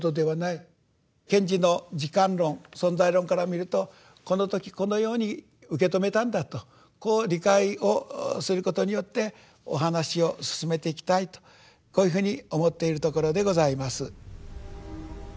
賢治の時間論存在論から見るとこの時このように受け止めたんだとこう理解をすることによってお話を進めていきたいとこういうふうに思っているところでございます。